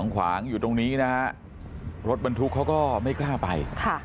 ขวางอยู่ตรงนี้นะฮะรถบรรทุกเขาก็ไม่กล้าไป